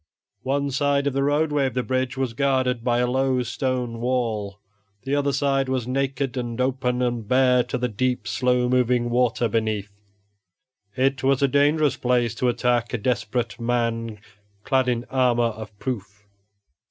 One side of the roadway of the bridge was guarded by a low stone wall; the other side was naked and open and bare to the deep, slow moving water beneath. It was a dangerous place to attack a desperate man clad in armor of proof.